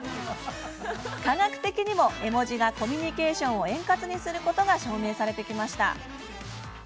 科学的にも絵文字がコミュニケ−ションを円滑にすることが証明されてきました。